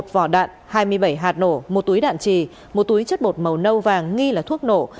một vỏ đạn hai mươi bảy hạt nổ một túi đạn trì một túi chất bột màu nâu vàng nghi là thuốc nổ